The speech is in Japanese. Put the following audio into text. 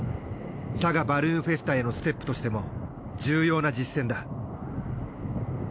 佐賀バルーンフェスタへのステップとしても重要な実戦だ。